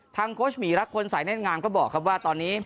โค้ชหมีรักพลสายเน่นงามก็บอกครับว่าตอนนี้